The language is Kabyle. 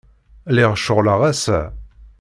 Lliɣ ceɣleɣ ass-a.